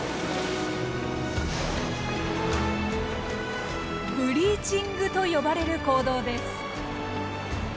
ブリーチングと呼ばれる行動です。